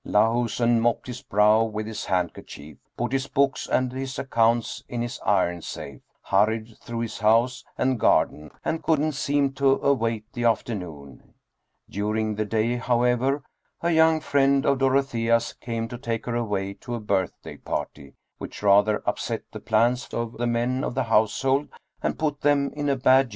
Lahusen mopped his brow with his handkerchief, put his books and his ac counts in his iron safe, hurried through his house and gar den and couldn't seem to await the afternoon. During the day, however, a young friend of Dorothea's came to take her away to a birthday party, which rather upset the plans of the men of the household and put them in a bad.